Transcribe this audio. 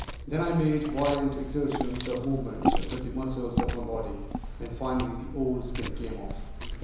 Then I made violent exertions, or movements, with the muscles of my body, and finally the old skin came off.